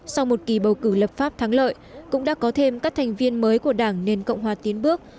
sau một kỳ bầu cử lập pháp thắng lợi cũng đã có thêm các thành viên mới của đảng nền cộng hòa tiến bước